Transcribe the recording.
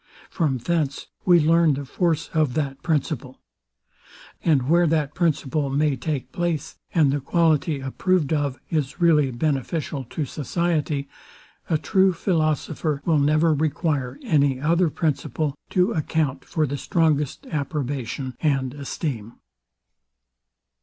From thence we learn the force of that principle. And where that principle may take place, and the quality approved of is really beneficial to society, a true philosopher will never require any other principle to account for the strongest approbation and esteem.